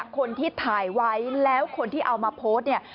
คนที่ถ่ายไว้แล้วคนที่เอามาโพสต์เนี่ย